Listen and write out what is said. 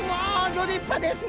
ギョ立派ですね。